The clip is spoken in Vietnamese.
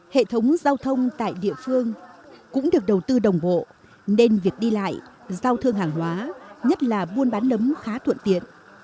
hệ thống giao thông tại địa phương cũng được đầu tư đồng bộ nên việc đi lại giao thương hàng hóa nhất là buôn bán nấm khá thuận tiện